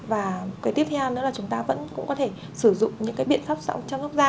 và cái tiếp theo nữa là chúng ta vẫn có thể sử dụng những cái biện pháp chăm sóc da